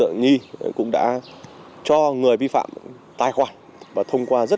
mà người đó vi phạm